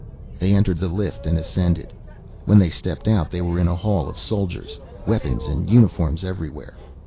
They entered the lift and ascended. When they stepped out, they were in a hall of soldiers, weapons and uniforms everywhere.